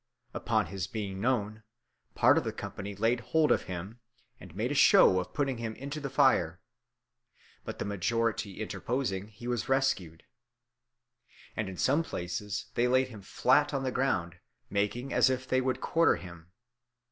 Upon his being known, part of the company laid hold of him and made a show of putting him into the fire; but the majority interposing, he was rescued. And in some places they laid him flat on the ground, making as if they would quarter him.